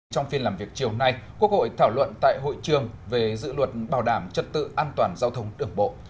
trong phiên làm việc chiều nay quốc hội thảo luận tại hội trường về dự luật bảo đảm trật tự an toàn giao thông đường bộ